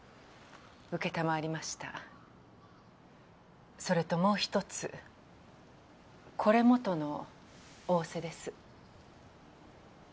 承りましたそれともうひとつこれもとの仰せです